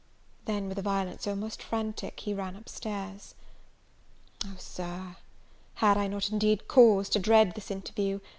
Then, with a violence almost frantic, he ran up stairs. Oh, Sir, had I not indeed cause to dread this interview?